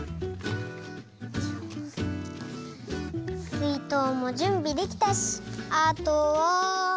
すいとうもじゅんびできたしあとは。